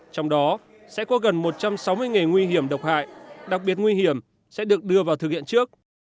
trong đó sẽ có gần một trăm sáu mươi nghề nguy hiểm độc hại đặc biệt nguy hiểm sẽ được đưa vào thực hiện trước